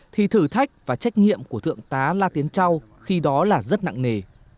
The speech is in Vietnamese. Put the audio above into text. thì thử thách và trách nhiệm của thượng tá la tiến châu khi đó là rất nặng nề